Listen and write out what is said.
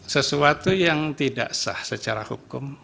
sesuatu yang tidak sah secara hukum